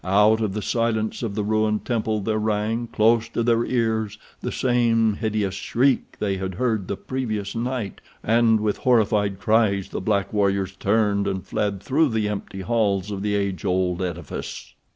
Out of the silence of the ruined temple there rang, close to their ears, the same hideous shriek they had heard the previous night, and with horrified cries the black warriors turned and fled through the empty halls of the age old edifice.